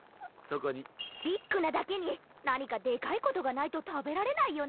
ビッグなだけになにかでかいことがないとたべられないよな。